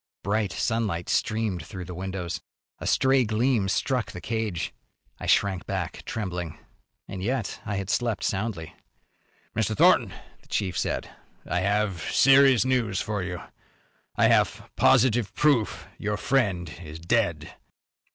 Bright sunlight streamed through the windows. A stray gleam struck the cage. I shrank back, trembling. And yet I had slept soundly. "Mr. Thornton," the chief said, "I have serious news for you. I have positive proof your friend is dead."